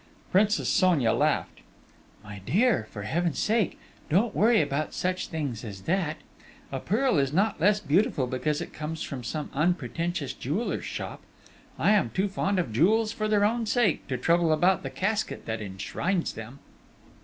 Princess Sonia laughed. "My dear, for Heaven's sake, don't worry about such a thing as that!... A pearl is not less beautiful because it comes from some unpretentious jeweller's shop. I am too fond of jewels for their own sake, to trouble about the casket that enshrines them!"